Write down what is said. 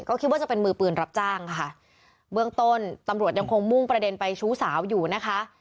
ก็คิดว่าจะเป็นมือปืนรับจ้างค่ะเบื้องต้นตำรวจยังคงมุ่งประเด็นไปชู้สาวอยู่นะคะ